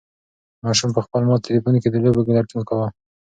ماشوم په خپل مات تلیفون کې د لوبو لټون کاوه.